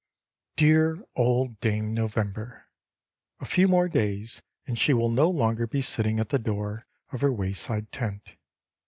Dear old Dame November! A few more days and she will no longer be sitting at the door of her wayside tent.